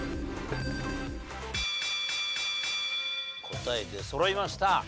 答え出そろいました。